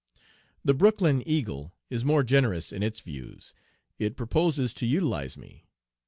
The Brooklyn Eagle is more generous in its views. It proposes to utilize me.